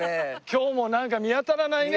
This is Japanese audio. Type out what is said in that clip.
今日もなんか見当たらないね。